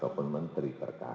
kan bin memprediksi bahwa